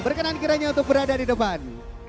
berkenan kiranya untuk berada di depan